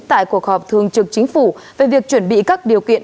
tại cuộc họp thường trực chính phủ về việc chuẩn bị các điều kiện